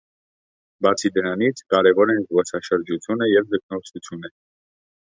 Բացի դրանից, կարևոր են զբոսաշրջությունը և ձկնորսությունը։